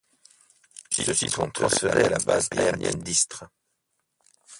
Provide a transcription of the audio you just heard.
Ceux-ci sont transférés à la base aérienne d'Istres.